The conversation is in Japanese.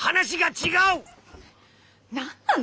何なの？